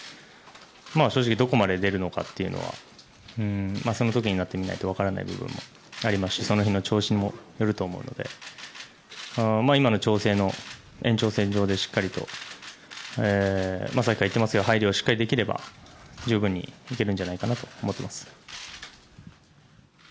正直どこまで出るのかその時になってみないと分からない部分もありますし、その辺の調子にもよると思いますので今の調整の延長線上でしっかりと入りをしっかりできれば十分にできるんじゃないかと思います。